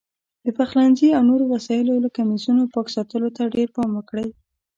د پخلنځي او نورو وسایلو لکه میزونو پاک ساتلو ته ډېر پام وکړئ.